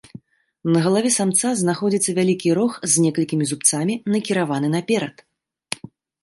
На галаве самца знаходзіцца вялікі рог з некалькімі зубцамі, накіраваны наперад.